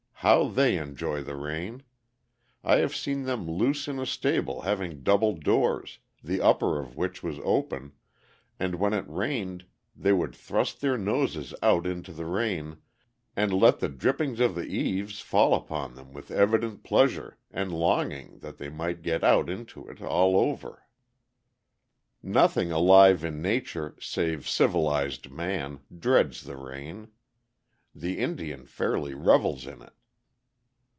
How they enjoy the rain! I have seen them loose in a stable having double doors, the upper of which was open, and when it rained they would thrust their noses out into the rain and let the drippings of the eaves fall upon them with evident pleasure and longing that they might get out into it all over. [Illustration: HEALTHY NAVAHO CHILDREN USED TO THE RAIN AND THE OUT OF DOORS.] Nothing alive in Nature save "civilized" man dreads the rain. The Indian fairly revels in it.